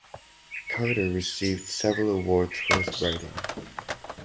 Carter received several awards for his writing.